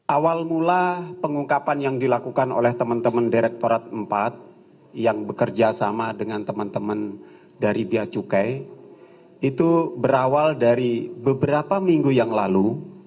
awal mula pengungkapan yang dilakukan oleh teman teman direktorat empat yang bekerja sama dengan teman teman dari bia cukai itu berawal dari beberapa minggu yang lalu